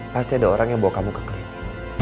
pasti ada orang yang bawa kamu ke klinik